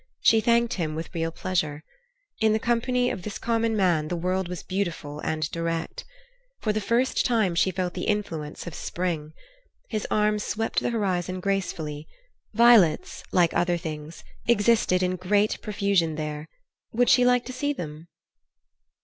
She thanked him with real pleasure. In the company of this common man the world was beautiful and direct. For the first time she felt the influence of Spring. His arm swept the horizon gracefully; violets, like other things, existed in great profusion there; "would she like to see them?"